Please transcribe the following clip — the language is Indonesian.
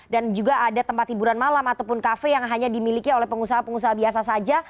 dan juga ada tempat hiburan malam ataupun kafe yang hanya dimiliki oleh pengusaha pengusaha biasa saja